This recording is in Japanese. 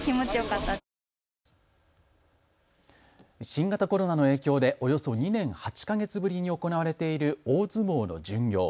新型コロナの影響でおよそ２年８か月ぶりに行われている大相撲の巡業。